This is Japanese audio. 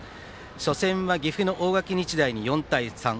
初戦は岐阜の大垣日大に４対３。